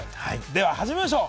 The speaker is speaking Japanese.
では始めましょう。